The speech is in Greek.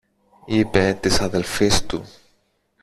είπε της αδελφής του.